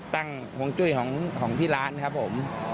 ห่วงจุ้ยของที่ร้านครับผม